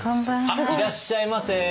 あっいらっしゃいませ！